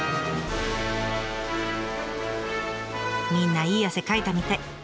みんないい汗かいたみたい。